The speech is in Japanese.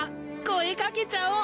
声掛けちゃおう。